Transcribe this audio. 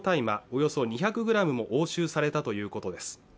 およそ２００グラムも押収されたということです